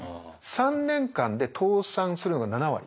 ３年間で倒産するのが７割。